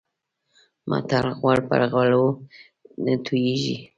متل: غوړ پر غوړو تويېږي.